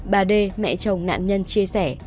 bà d mẹ chồng nạn nhân chia sẻ